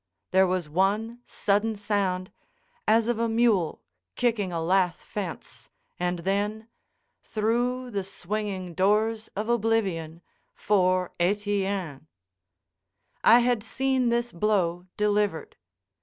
There was one sudden sound, as of a mule kicking a lath fence, and then—through the swinging doors of oblivion for Etienne. I had seen this blow delivered.